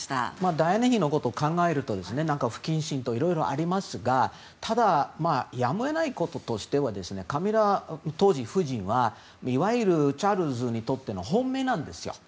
ダイアナ妃のことを考えると不謹慎とかいろいろありますがただ、やむを得ないこととしては当時のカミラ夫人はいわゆるチャールズにとっての本命なんですよ。